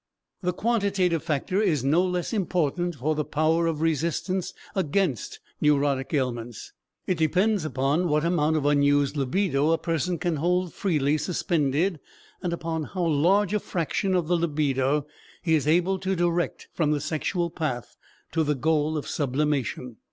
The quantitative factor is no less important for the power of resistance against neurotic ailments. It depends upon what amount of unused libido a person can hold freely suspended, and upon how large a fraction of the libido he is able to direct from the sexual path to the goal of sublimation.